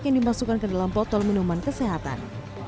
yang dimasukkan ke dalam botol minuman kesehatan